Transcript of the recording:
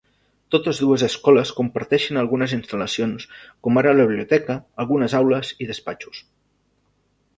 Totes dues escoles comparteixen algunes instal·lacions com ara la biblioteca, algunes aules i despatxos.